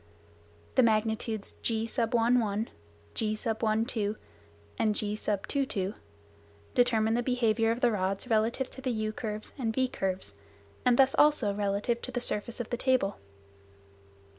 The magnitudes g, g and g, determine the behaviour of the rods relative to the u curves and v curves, and thus also relative to the surface of the table.